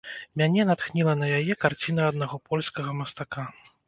Мяне натхніла на яе карціна аднаго польскага мастака.